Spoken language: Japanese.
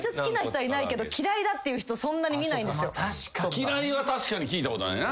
嫌いは確かに聞いたことないな。